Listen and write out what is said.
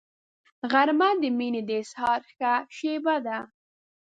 غرمه د مینې د اظهار ښه شیبه ده